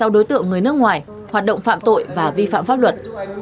sáu đối tượng người nước ngoài hoạt động phạm tội và vi phạm pháp luật